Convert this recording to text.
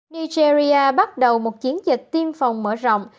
nigeria bắt đầu một chiến dịch tiêm phòng mở rộng